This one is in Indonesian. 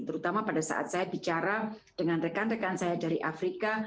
terutama pada saat saya bicara dengan rekan rekan saya dari afrika